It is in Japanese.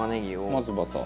まずバター。